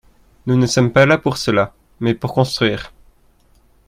Nous ne sommes pas là pour cela, mais pour construire.